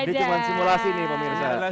ini cuma simulasi nih pak mirza